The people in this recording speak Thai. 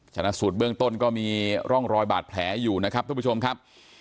ชนะสูตรเบื้องต้นก็มีร่องรอยบาดแผลอยู่นะครับทุกผู้ชมครับ